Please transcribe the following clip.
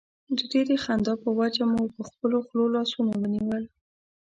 د ډېرې خندا په وجه مو پر خپلو خولو لاسونه ونیول.